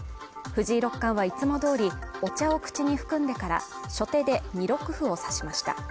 藤井六冠はいつも通りお茶を口に含んでから初手で２六歩を指しました。